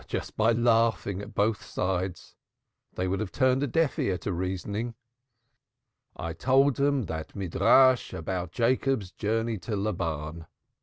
"Just by laughing at both sides. They would have turned a deaf ear to reasoning. I told them that Midrash about Jacob's journey to Laban."